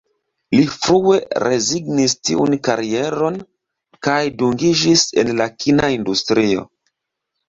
Li frue rezignis tiun karieron, kaj dungiĝis en la kina industrio.